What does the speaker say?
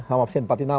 itu isinya bukan tentang